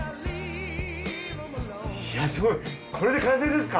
いやすごいこれで完成ですか？